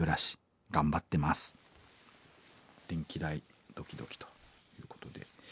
電気代ドキドキということで。